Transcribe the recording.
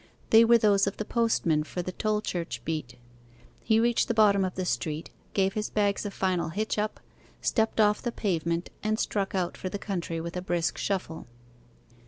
They were those of the postman for the Tolchurch beat. He reached the bottom of the street, gave his bags a final hitch up, stepped off the pavement, and struck out for the country with a brisk shuffle.